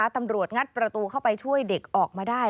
งัดประตูเข้าไปช่วยเด็กออกมาได้